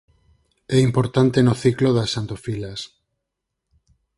É importante no ciclo das xantofilas.